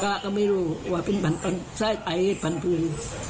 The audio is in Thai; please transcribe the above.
กาก็ไม่รู้ว่าสายไตผันปืน